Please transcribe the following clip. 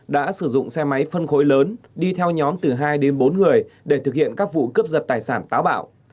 đã sử dụng xe máy phân khối lớn đi theo nhóm từ hai đến bốn người để thực hiện các vụ cướp giật tài sản táo bạo